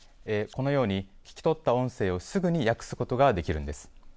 このように、聞き取った音声をすぐに訳すことができるんです。